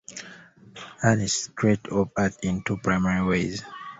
Artists create op art in two primary ways.